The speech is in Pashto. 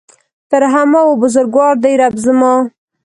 تر همه ؤ بزرګوار دی رب زما